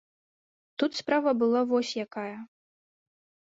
Тут справа была вось якая.